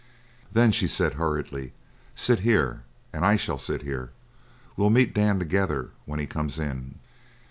"Then," she said hurriedly, "sit here, and I shall sit here. We'll meet Dan together when he comes in."